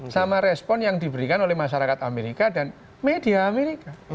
sama respon yang diberikan oleh masyarakat amerika dan media amerika